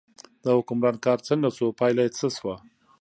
د حکمران کار څنګه شو، پایله یې څه شوه.